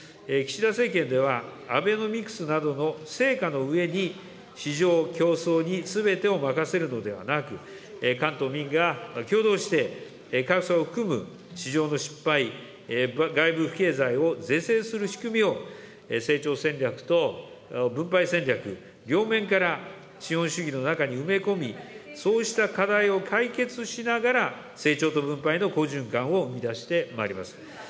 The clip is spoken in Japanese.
岸田政権では、アベノミクスなどの成果の上に市場競争にすべてを任せるのではなく、官と民が協働して、格差を含む市場の失敗、外部不経済を是正する仕組みを成長戦略と分配戦略、両面から資本主義の中に埋め込み、そうした課題を解決しながら、成長と分配の好循環を生み出してまいります。